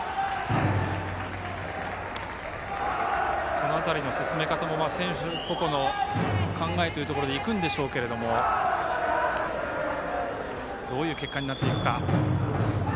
この辺りの進め方も選手個々の考えでいくんでしょうけれどもどういう結果になっていくか。